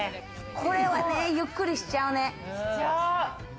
これはゆっくりしちゃうね。